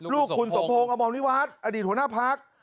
ลูกคุณสมพงศ์อมรวิวัฒน์อดีตหัวหน้าพัก